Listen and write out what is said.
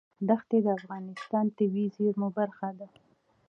دښتې د افغانستان د طبیعي زیرمو برخه ده.